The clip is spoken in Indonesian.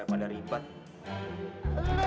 pak haji sule sudah pulang